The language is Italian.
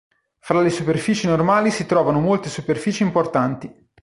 Fra le superfici normali si trovano molte superfici importanti.